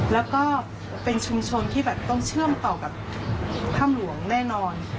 แล้วก็เป็นชุมชนที่แบบต้องเชื่อมต่อกับถ้ำหลวงแน่นอน